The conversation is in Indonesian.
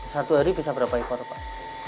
satu hari bisa berapa ekor pak